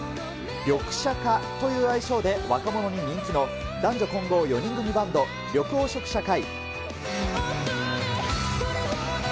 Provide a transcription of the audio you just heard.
リョクシャカという愛称で、若者に人気の男女混合４人組バンド、緑黄色社会。